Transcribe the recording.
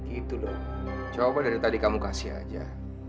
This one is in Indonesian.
gitu loh coba dari tadi kamu kasih aja